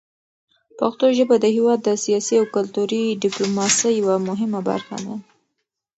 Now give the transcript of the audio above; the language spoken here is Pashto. پښتو ژبه د هېواد د سیاسي او کلتوري ډیپلوماسۍ یوه مهمه برخه ده.